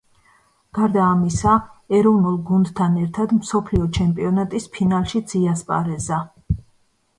გარდა ამისა, ეროვნულ გუნდთან ერთად მსოფლიო ჩემპიონატის ფინალშიც იასპარეზა.